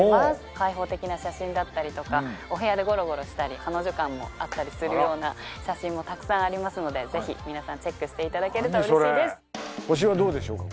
開放的な写真だったりとかお部屋でごろごろしたり彼女感もあったりするような写真もたくさんありますのでぜひ皆さんチェックしていただけると嬉しいです星はどうでしょうか？